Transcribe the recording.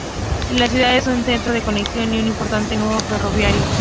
La ciudad es un centro de conexión, y un importante nudo ferroviario.